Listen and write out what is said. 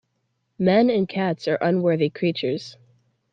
Men and cats are unworthy creatures.